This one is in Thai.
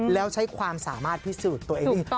แล้วใช้ความสามารถพิสูจน์ตัวเอง